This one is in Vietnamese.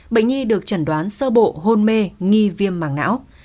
bệnh nhi được trần đoán sơ bộ hôn mê nghi viêm mảng não